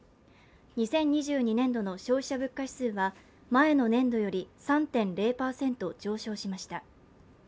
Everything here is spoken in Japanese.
２０２２年度の消費者物価指数は前の年度より３．０％上昇しました。